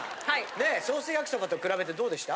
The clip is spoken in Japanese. ねえソース焼きそばと比べてどうでした？